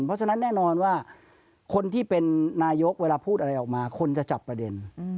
เพราะฉะนั้นแน่นอนว่าคนที่เป็นนายกเวลาพูดอะไรออกมาคนจะจับประเด็น